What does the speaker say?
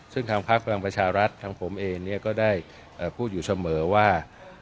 ซึ่งทางพักพลังประชารัฐทางผมเองก็ได้พูดอยู่เสมอว่า